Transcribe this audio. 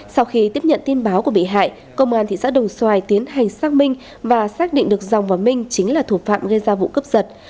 sau khi tiếp nhận tin báo của bị hại công an thị xã đồng xoài tiến hành xác minh và xác định được dòng và minh chính là thủ phạm gây ra vụ cướp giật